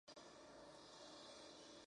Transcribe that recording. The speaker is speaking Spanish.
Y es que "¡Esquina bajan!